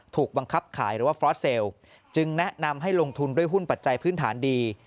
ถูกบังคับขายหรือว่าฟรอสเซลล์จึงแนะนำให้ลงทุนด้วยหุ้นปัจจัยพื้นฐานดี